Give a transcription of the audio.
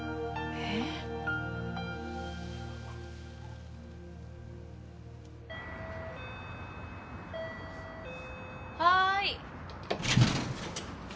あっはい。